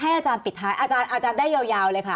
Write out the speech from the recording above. ค่ะอาจารย์โนนาฬิตคะให้อาจารย์ปิดท้ายอาจารย์ได้ยาวเลยค่ะ